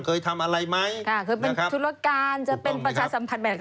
เคยทำอะไรไหมค่ะเคยเป็นธุรการจะเป็นประชาสัมพันธ์แบบ